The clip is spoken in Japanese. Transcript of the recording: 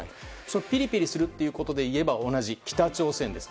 ピリピリするということでいえば同じ北朝鮮です。